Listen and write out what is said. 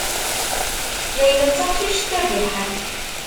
Layla d taqcict tabiḥant.